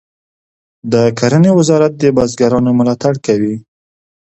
د کرنې وزارت د بزګرانو ملاتړ کوي